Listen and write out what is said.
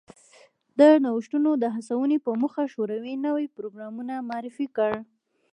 د نوښتونو د هڅونې په موخه شوروي نوی پروګرام معرفي کړ